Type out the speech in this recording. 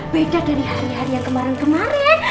beda dari hari hari yang kemarin kemarin